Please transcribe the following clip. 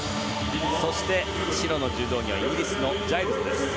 そして白の柔道着はイギリスのジャイルズです。